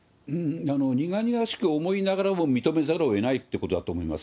苦々しく思いながらも、認めざるをえないってことだと思います。